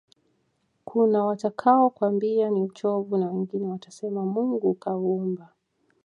kunawatakao kwambia ni uchovu na wengine watasema mungu kauumba